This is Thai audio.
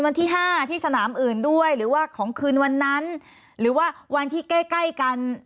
วันที่ห้าที่สนามอื่นด้วยหรือว่าของคืนวันนั้นหรือว่าวันที่ใกล้ใกล้กัน